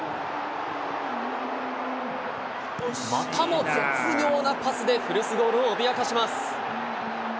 またも絶妙なパスで古巣ゴールを脅かします。